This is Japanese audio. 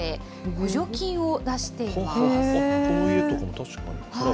補助金を出しています。